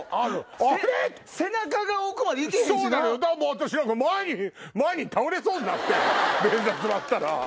私だから前に倒れそうになって便座座ったら。